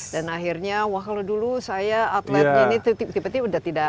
dan akhirnya wah kalau dulu saya atletnya ini tiba tiba sudah tidak punya rumah